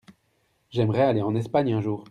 J'aimerais aller en Espagne un jour.